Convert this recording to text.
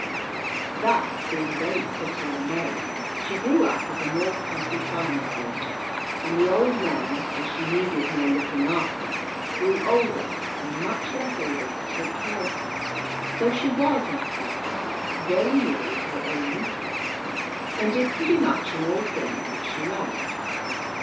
Thus, being very pretty and merry, she grew up as a North country farmer's daughter; and the old man, as she needed more looking after, grew older and less able to take care of her; so she was, in fact, very nearly her own mistress, and did pretty much in all things as she liked.